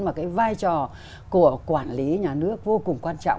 mà cái vai trò của quản lý nhà nước vô cùng quan trọng